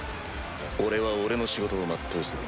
俺は俺の仕事を全うする。